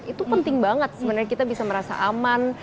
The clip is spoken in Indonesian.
itu penting banget sebenarnya kita bisa merasa aman